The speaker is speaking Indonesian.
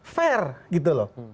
fair gitu loh